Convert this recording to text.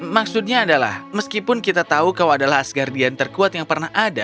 maksudnya adalah meskipun kita tahu kau adalah asgardian terkuat yang pernah ada